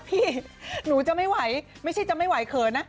พี่หนูจะไม่ไหวไม่ใช่จะไม่ไหวเขินนะ